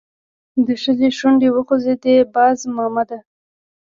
د ښځې شونډې وخوځېدې: باز مامده!